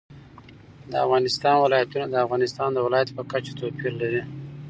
د افغانستان ولايتونه د افغانستان د ولایاتو په کچه توپیر لري.